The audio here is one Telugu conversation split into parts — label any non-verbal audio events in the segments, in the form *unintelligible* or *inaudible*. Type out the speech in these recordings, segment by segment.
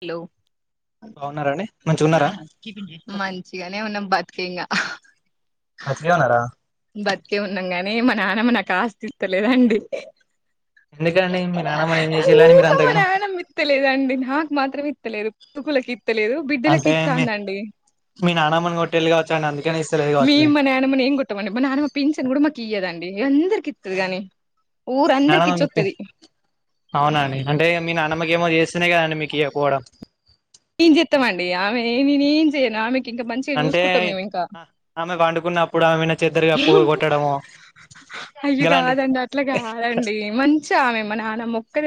హెలో *unintelligible* బాగున్నారా అండి మంచిగా ఉన్నారా మనంచిగానే ఉన్నాం బతికింగా బతికేవున్నారా బతికే ఉన్నాంగాన్ మీ మా నానమ్మ నాకు ఆస్తి ఇస్తలేండి ఎందుకండి మీ నానమ్మని ఏం *unintelligible* చేసేళ్ళని మీరు ఊకా మా అంతగానం నానమ్మ ఇతలేండి నాకు మాత్రం లేరుకులకి లేదు బిడ్డలకి అంటే ఇట్ట మీ అందండి మీ నానమ్మని కొట్టేళ్ళు కావచ్చు అండి అందుకని ఇస్తలేదు కావచ్చు మీ మమ్మ నేనమని ఏం గు అ నాన్నమ్ మా పిన్సన్ కూడా మాకు ఇయ్యదండి అందరు ప్ప ఇచ్చొత్తది అవునాం అంటే మీ నా నమ్మకేమో చేస్తేనే కదండి మీకు ఇవకపోవడం నన్ చెత్తమడి ఆమె నేను ఏం చేయను ఆమె ఇంకా మంచిగా అంటే చూసుకుంటాం మేము ఇంకా ఆమె పండుకున్నప్పుడు ఆమెను చెద్దరుగా పో కొట్టడము అయ్య గలాంటి కాదండి అట్లాగ కాదండి మంచిగా ఆమె మ నాన్న మొక్కద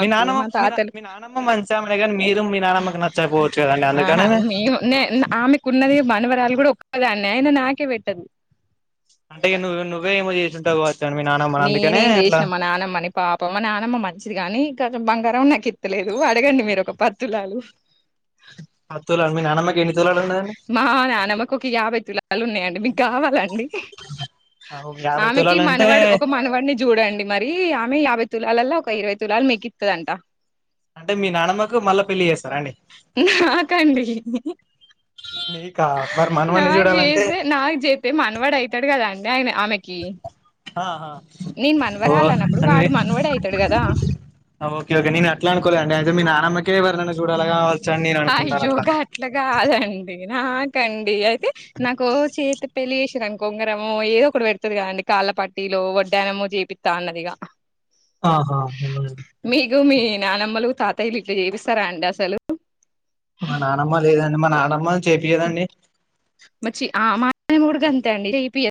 మీ నానమ్మ మీ మీ నానమ్మ మంచిామనే కానీ మీరు మీ నానమ్మకి నచ్చకపోవచ్చు కదండి ఆ అందుకనే ఆమెకు ఉన్నది మనువరాలు కూడా అదా అన్నయింద నా నాకే పెట్టదు అంటే నువ్వు నువ్వే ఏమో చేసింట టావు నేనేం చేసినా మా నానమ్మని పాప మా నానమ్మ మంచిది గాని కొంచెం బంగారం నాకుెత్తలేదు అడగండి మీరు ఒక పత్తులాలు పది తులాలు మీ నానమ్మకి ఎన్ని తులాలు ఉన్నదండి మా నాన్నమ్మకు ఒక యాభై తులాలు ఉన్నాయండి మీకు కావాలండి యాభై ఆమెకి తులాలు అంటే మనవాడు ఒక మనవాడిని చూడండి మరి యాభై తులాాల అలా ఒక ఇరవై తులాల్ మీకు ఇత్తది అంటా అంటే మీ నానమ్మకు మళ్ళా పెళ్లిి చేస్తార అండి నాకండి మీకా మరి మనవన్ని నాకు చూడాలంటే చేసే నాకు చేస్త మానవాడు అవుతాడు క నయినే ఆమెకి ఆహా నేను ఓ మనవరాలు అన్నప్పుడు అన్న వాడు మనవాడే అయితాడు కదా ఓకే ఓకే నేను అట్లా అనుకోలేండి అయితే మీ నానమ్మ హ జోగా అట్లా కాదండి నా ండి అయితే నాకు చేతి పెళ్లి చేసిదని కొంగరమ ఏదో ఒకటి పెడుతుంది కదండి కాళ్ళపాటీలో వడ్డానమో చేపిస్తా అన్నదిగా ఆహా మీకు మీ నానమ్మలు తాతయ్యలు ఇట్లా చేపిస్త స్తారా అండి అసలు మా నానమ్మ లేదండి మన నమ్మ మచ్చి ఆమా మేము కుడు అంతే అండి చెపి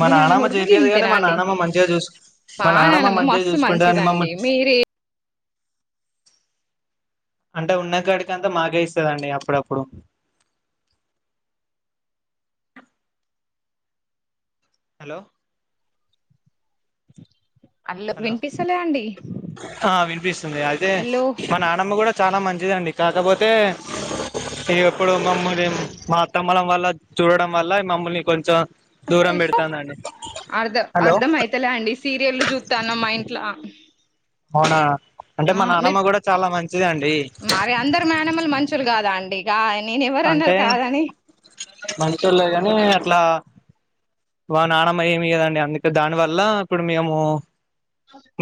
మా నానమ్మ చేపిించదు కానీ మా నానమ్మ మంచిగా చూసు మా నానమ్మ మంచిగా మస్తు చూసుకుంటేని మంచిదండి మమ్మల్ని మీరే అంటే ఉన్న కాడికి అంతా మాాకే ఇస్తుదండి అప్పుడప్పుడు హలో అల్లో హలో వినిపిస్తలే అండి ఆ వినిపిస్తుంది అయితే హలో మా నానమ్మ కూడా చాలా మంచిదండి కాకపోతే ఎప్పుడు మమ్మల్ని మా అత్తమ్మలం వల్ల చూడడం వల్ల మమ్మల్ని కొంచెం దూరం పెడతాందండి అ హలో అర్ధం అయితలే అండి సీరియల్ూ తన మైండ్లా అవునా అంటే ఆ మా నానమ్మ మీరు కూడా చాలా మంచిదండి మరి అందర మేనిమల్ మంచులు కాదా కా అంటే మంచిల్లే కాని అట్లా మా నానమ్మ ఏమి కదండి అందుకే దాని వల్ల ఇప్పుడు మేము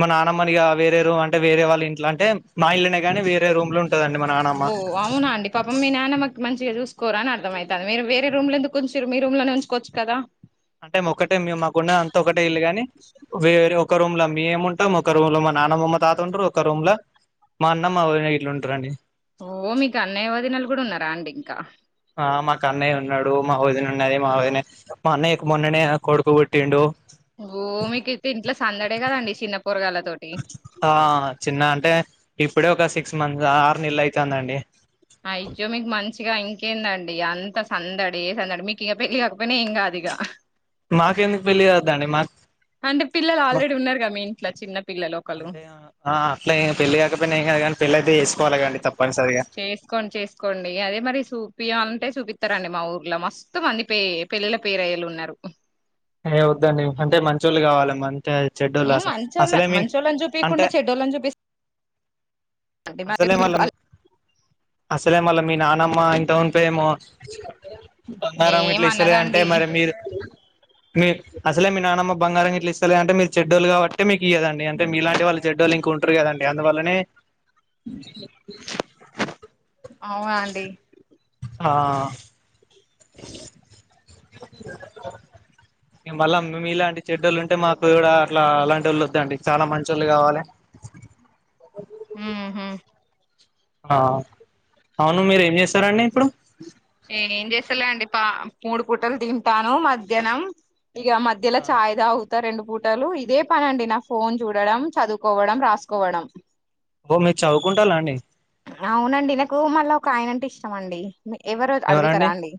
మ నానమ్మనిగా వేరే రూ అంటేర వాళ్ళ ఇంట్ల అంటే మా ఇల్లునే గాని వేరే రూమ్ లో ఉంటదండి మా నానమ్మ ఓ అవునా అండి పాపం మీ నానమ్మకి మంచిగా చూసుకోరా అర్థమవుతుంది మీరుేరే రూమ్ ఎందుకు కొంచె మీ రూమ్ లో నుంచకోవచ్చు కదా అంటే ఒకక్కటే మేము మా గుడా అంత ఒకటే ఇల్లుగాని వేరే ఒక రూమ్ లో మ ఏము ఉంటాము ఒక రూమ్ లో మా నాన్నమ్మ తాత ఉంటారు ఒక రూమ్ లో మా అన్నమ్ మా వదిన ఉంటారండి ఓ మీకు అన్నయ్యవాదినలు కూడా ఉన్నారా అండి ఇంకా మా క అన్నయ ఉన్నాడు మా వదిన ఉన్నది మ వదిన మ అన్నయ్యకు మొన్ననే కొడుకు పట్టిడు ఒ మీకుైతే ఇంట్ల సందడే కదండి చిన్నపోరగాంల్లతోటి ఆ చిన్న అంటే ఇప్పుడే ఒక సిక్స్ మంత్స్ ఆరు నేలైతంది అండి ఆయ్యొ మిక్ మన్ చిగా ఇంకేందండి అంత సందడే ఏ సందడి మీకు ఇగ పెళ్ళి కాకపోయినా ఏం కాదు ఇగ మాకేందుకు పెళ్లి కావొద్దండి మాక్ అంటే పిల్లలు ఆల్రెడీ ఉన్నారుగా మీ ఇన్ ట్ల చిన్న పిల్లలు ఒకళ్ళు అంటే ఆ అట్లా ఏం పెళ్ళి కాకపోయినా ఏం కాదు కానీ పెళ్ళి అయితే వసుకోవాలి కాదండి తప్పనిసరిగా చేసుకోండి అంటే చూపిత్తరండి మా ఊర్ల మస్తు మంది పే పెళ్ళిల్ల పేరయ్యలున్నారు ఏ వోద్దండి అంటే మంచోళ్ళు కావాలే మన్ హు మంచోళ్ళే మంచోళ్లను అంటే చూపియకుండా చెడ్డోళ్ళను చూపిస్ అసలే మల్ల మీ అసలే మళ్ళీ మీ నానమ్మ ఇంతమునుపో ఏమో బంగారం ఇట్లా ఇస్తలే అంటే ఏమన్నదండి మరి మీర్ మీ అసలే మీ నానమ్మ బంగారం ఇట్లా ఇస్తలే అంట మీరు చెడోళ్లు కాబట్టి మీకు ఇ్యదం అంటే మీ ఇలాంటి వాళ్ళ చెడ్డోళ్లు ఇంక ఉంటారు కదండి అందువల్లనే అవునా అండి ఆ మళ్ళా మీలాంటి చెడ్డోళ్ళు ఉంటే మాకు కూడా అట్లా అలాంటోళ్ళు వద్ధండి చాలా మంచోళ్ళు కావాలి ఉహు ఆ అవును మీరు ఏం చేస్తారండి ఇప్పుడు ఏం చేస్తలేండి పా మూడు పూటలు తింటానం మధ్యాహ్నం ఇగ మధ్యల ఆ చాయ్ తాగు త రెండు పూటలు ఇదే పని అండి నా ఫోన్ చూడడం చదువుకోవడం రాసుకోవడం ఓ మీరు చదువుకుంటాల్ల అండి అవునండి నాకు మళ్ళా ఒక ఆయనంటే ఇష్టం అండి ఎవరో అడుగుతారా ఎవరండి అండి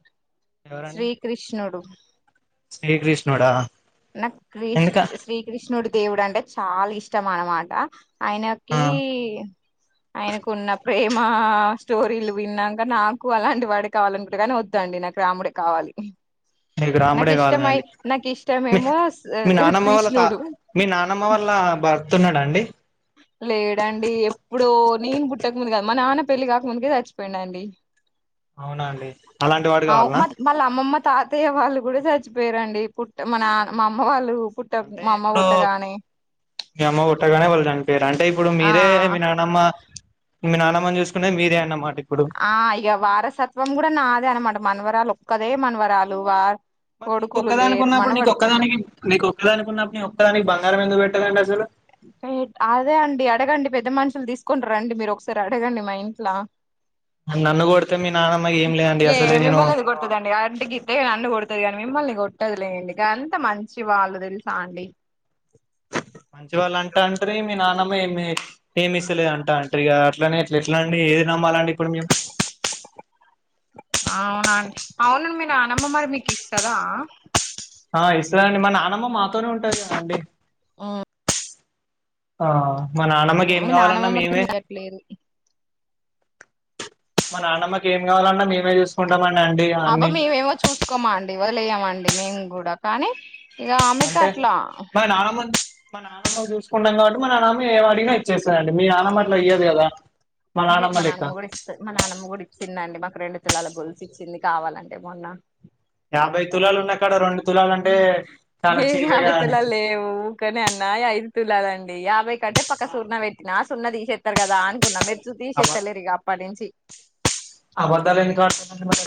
ఎవరండి శ్రీకృష్ణుడు శ్రీకృష్ణుడా నాక్ క్రిష్ ఎందుక శ్రీకృష్ణుడు దేవుడు అంటే చాలా ఇష్టం అన్నమాట ఆ ఆయనకి ఆయనకు న్న ప్రేమ స్టోరీలు విన్నాక నాకు అలాంటి వాడే కావాలనుకుంట కానీ వద్దండి నాకు రాముడే కావాలి మీకు నాకు రాముడే ఇష్టమై కావాలనండి నాకు మీ ఇష్టమేమో మీ నానమ్మ వాళ్ళ తా కృష్ణుడు మీ నానమ్మ వాళ్ళ భర్త ఉన్నాడా అండి లేడండి ఎప్పుడో ని మా నాన్నకి పెళ్లి కాక ముందే చచ్చిపోఇండు అండి అవునా అండి అలాంటి వాడు కావాల్న వాళ్ళ అమ్మమ్మ తాతయ్య వాళ్ళు కూడా చచ్చిపోయారండి పుట్ట మన మా అమ్మ వాళ్ళు పుట్ట అంటే మా అమ్మ ఇప్పుడు పుట్టగానే మీ అమ్మ పుట్టగానే వాళ్ళు చనిపోయిరు. అంటే ఇప్పుడు మీరే ఆ మీ నానమ్మ మీ నానమ్మని చూసుకునే మీరే అన్నమాట. ఇప్పుడు ఆ ఇగ వారసత్వం కూడా నాదే అనమాట మన వరాలు ఒక్కదే మనవరాలు వ మరి నీకొక్కదానికున్నప్పుడు నీకొక్కదానికి నీకు నీ ఒక్కదానికి బంగారం ఎందుకు పెట్ ట రండి అస్సలు అదే అండి అడగండి పెద్ద మనుషులు తీసుకొనిరండి మీరు ఒకసారి అడగండి. మా ఇంట్ల నన్ను కొడితే మీ నానమ్మకి ఏం లేదండి ఏ అసలే నేను మిమ్మల్ని ఎందుకు కొడుతదండి అడ్గితే అండు కొడుతది. గానీ మిమ్మల్ని కొ టదులేండి ఇగ అంత మంచి వాళ్ళు తెలుసా అండి. మంచివాళ్ళు అంటాండ్రి మీ నాన్న మేమే ఏమిస్తలేదు అంటా ఇగా అట్లానే అట్లా ఎట్లా అండి ఏది నమ్మాలండి. ఇప్పుడు మేము అవునా అండి అవును మీ నానమ్మ మరి మీకు ఇస్తదా. ఆ ఇస్తదండి మా నానమ్మ మా ఉంటాది కదా అండి. ఆ మా నానమ్మకి ఏం మీ నానమ్మ కావాలన్నా మరి మేమే ఇయ్యట్లేదు మా నానమ్మకి ఏం కావాలన్నా మేమే చూసుకుంటాము. అండి అబ్బా అన్ని మేమేమో చూసుకోమ అండి. వదిలేయమండి మేము కూడా కానీ ఇగ ఆమెకి అంటే అట్లా మరి నానమ్మ మ నానమ్మ చూసుకుంటా కాబట్టి మా నానమ్మ ఏం అడిగిన ఇచ్చేసాది మీ నాన్న అట్ల ఇయ్యదు కదా. హే హే మా నానమ్మ కూడా ఇస్తది మా నానమ్మ గు ఇచ్చిందండి. మాకు రెండు తులాల గొల్స్ ఇచ్చింది కావాలంటే మొన్న యాభై తులాలు ఉన్నాక్కడ రెండు తులాలు అంటే చాలా ఏ చీపే యాభై కదా అండి తులాలు లేవు ఊ కనే అన్న ఈ లదండి యాభై కంటే పక్క సున్నా పెట్టినా ఆ సున్న దిచెస్తారు కదా అనుకున్నాన్న మీరు అబ తిసేత లేరు ఇగ అపడించి అబద్ధాలు ఎందుకు ఆడుతున్నారు మరి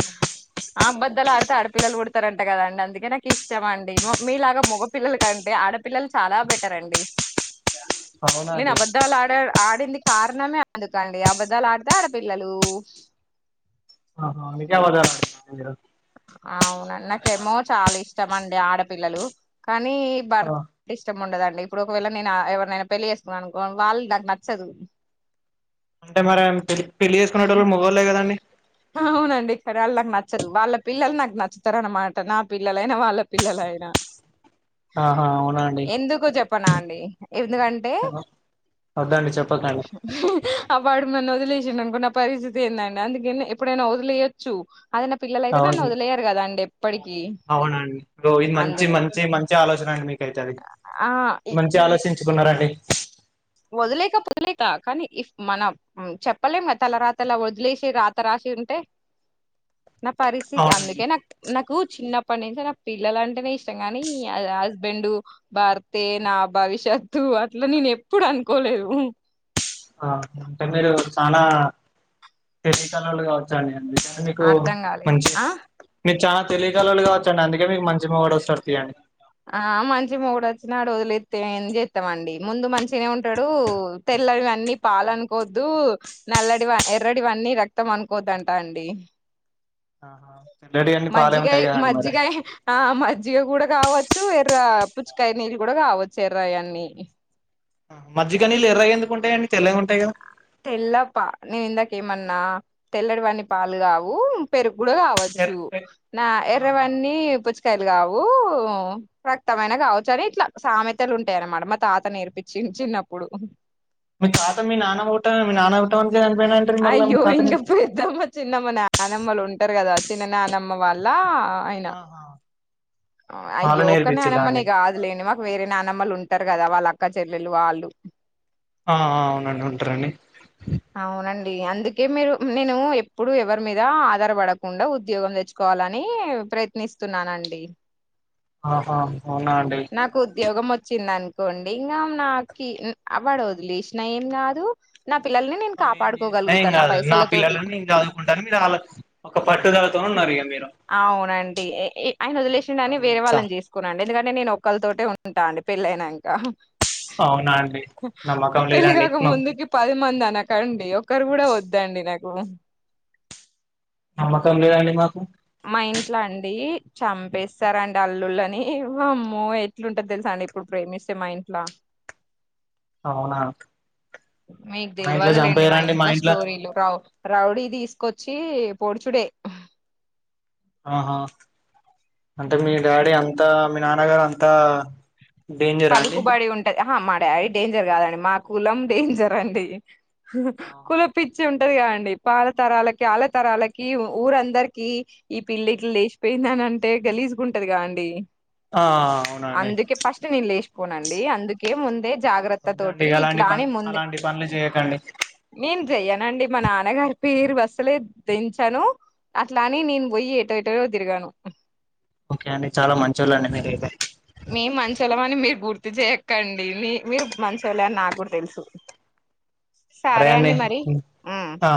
స్తరూ అంట కద అండి అందుకే ఇష్టమ అండి మీలాగా మగపిిల్లలు కంటే ఆడపిల్లలు చాలా బెటర్ అండి అవునా నేను అండి అబద్ధాలు అడ ఆడింది కారణమే అందుకండి అబద్ధాలు ఆడతే ఆడ పిల్లలు మ అవునండి నాకేమో చాలా ఇష్టమండి ఆడపిల్లలు కానీ భర్త ఆ ఇష్టం ఉండదండి ఇప్పుడు ఒకవేళ నేను ఎవరినైనా పెళ్లిి చేసుకున్నానుకో వాళ్ళు నాకు నచ్చదు అంటే మరి ఏంటి అవునండి సర్ వాళ్ళు నాకు నచ్చదు వాళ్ళ పిల్లలు నాకు నచ్చుతారు అన్నమాట నా పిల్లలైనా వాళ్ళ పిల్లలైనా ఆహా అవున అండి ఎందుకు చెప్పనా అండి ఎందుకంటే ఆహా, వద్దండి చెప్పకండి ఆ వాడు నన్ను వదిలేసి జ *unintelligible* నా పరిస్థితి ఏందండి అందుకే ఎప్పుడైనా వదిలేయొచ్చు అద నా పిల్లయితే అవును నన్న వదిలేయారు కదండి ఎప్పటికి అవునండి ఇది మంచి అందుకే మంచి మంచి ఆలోచన అండి మీకైతే అది ఆ మంచి ఆలోచిం కున్నారండి వదిలేక వదిలేక కానీ ఇఫ్ మన చెప్పలేం కదా తల రాతలా వదిలేసె రాత రాసి ఉంటే నా పరిస్థితి అవునండి అందుకే నాకు నాకు చిన్నప్పు అప్పటి నుంచే నా పిల్లల అంటేనే ఇష్టం కాని హస్బెండ్ భర్తే నా భవిష్యత్తు అట్లా నేను ఎప్ప ప్పుడు అనుకోలేదు ఆ అంటే మీరు చాలా తెలివిగలవోళ్ళు కావచ్చాండి వి అర్ధం కాలే మంచి ఆ మ చ *unintelligible* తెలివిగలవాళ్ళు కావచ్చండి అందుకే మీకు మంచి మొగుడు వస్తాడు తీయండి ఆ మంచి మొగుడు వచ్చినాడు వదిలేసి తే ఏం చేస్తాం మండి ముందు మంచిగానే ఉంటాడు తెల్లనివన్నీ పాలు అనుకోవద్దు నల్లటి ఎర్రటివన్నీ రక్తం అనుకోవద్ అంటా అండి ఆహా తెల్లటివి అన్ని పాలే మజ్జిగాయ ఉంటాయి కదండి మరి మజ్జగాయ ఆ మజ్ జిగ కూడా కావచ్చు ఎర్ర పుచ్చుకాయ నీళ్ళు కూడా కావచ్చు ఎర్ర్రయి అన్ని మజ్జిగ నీళ్ళు ఎర్రగా ఎందుకుంటాయి అండి తెల్లగా ఉంటాయి కదా తెల్లపా నేను ఇందాక ఏమన్నా తెల్లటి వాన్ని పాలు కావు పెరుగు కూడా ఎర్ కావచ్చు ఎ నా ఆహా ఎర్రవన్నీపుచ్చ లు కావు రక్తమైన కావచ్చు అని ఇట్లా సామెతలు ఉంటాయి అన్నమాట మా తాత నేర్పించిండు చిన్నప్పుడు మీ తాత మీ నాన్నా అయ్యో తాత ఇంకా నీకు పెద్దమ్మ చిన్నమ్మ నానమ్మలు ఉంట ఉంటారు కదా చిన్న నానమ్మ వాళ్ళ అయినా ఆహా వాళ్ళు అయ్యో ఒక నేర్పిచ్చిల్లా అండి నానమ్మని కాదులేని మాకు వేరే నానమ్మలు ఉంటారు కదా వాళ్ళ అక్క చెల్లెలు వాళ్ళు ఆ అవునండి ఉంటారండి అ అందుకే మీరు నేను ఎప్పుడు ఎవరి మీద ఆధారపడకుండా ఉద్యోగం తెచ్చుకోవాలని ప్రయత్నిస్తున్నానండి ఆహా అవునా అండి కొండి ఇంకా నాకు అ వాడు వదిలేసినా ఏం కాదు నాకు పిల్లల్ని నేను వాళ్ళు ఏం చేసినా ఏం కాపాడుకోగలుగుతాను కాదు నా పైసల తోటి పిల్లలని నేను చదువుకుంటాను మీరు ఆళ్ళ ఒక పట్టుదలతో ఉన్నారు ఇగ మీరు అవునండి ఆయన వదిలేసిని వేరే మిర్చా వాళ్ళని చేసుకున్నాండి ఎందుకంటే అే నేను ఒక్కరితోటే ఉంటా అండి పెళ్లయినంక అవునా అండి నమ్మకం లేదండి కాక మాకు ముందుకి పది మంది అనకండి ఒకరు కూడా వద్దండి నాకు నమ్మకం లేదండి మాకు మా ఇంట్లో అండి చంపేస్తార అండి అల్లుళ్ళని మా అమ్మ ఎట్లుంటందో తెలుసా అండి ఇప్పుడు ప్రేమిస్తే మా ఇంట్లో అవునా మీకు మా ఇంట్లో తెలియవదులేండి మా చంపేయరండి ఇంట్లో స్టోరీలు రౌడీ తీసుకొచ్చు పోొడుచుడే ఆహా అంటే మీ డాడీ అంతా మీ నాన్నగారు అంత ద పల్కు బాడి ఉంటది మ డాడీ డేంజర్ కాదండి మా కులం డేంజర్ అండి ఆహా. కుల పిచ్చే ఉండ ఉంటది కా అండి పాాల తరాలకి ఆళ్ తరాలకి ఊరందరికి ఈ పిళ్లిట్లు లేచిపోయిందని అంటే గలీజుగాంటది కా అండి ఆ అవునండి లేచిపోనండి అందుకే ముందే జాగ్రత్త తోటి వద్దండి అలాంటి ఇట్లానే పని ముందే అలాంటి పనులు చేయకండి నేను చెయను అండి మా నాన్నగారి పేరు బస్సలే తెంచాను అట్లాని నేను పోయిి ఎటో ఇటోలో తిరగాను ఓకే అండి చాలా మంచిోళ్ళ అండి మీరైతే మేము మంచోలం అని మీరు పూర్త చేయకండి మీ మీరు మంచి వెలేని నాకు కూడా తెలుసు సరే అండి ఉమ్ ఆ